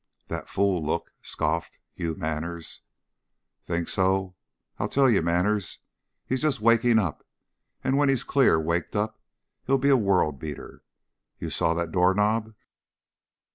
"That fool look," scoffed Hugh Manners. "You think so? I tell you, Manners, he's just waking up, and when he's clear waked up he'll be a world beater! You saw that doorknob?"